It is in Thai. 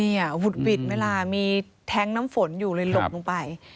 เนี่ยวุดวิดเวลามีแทงก์น้ำฝนอยู่เลยหลบลงไป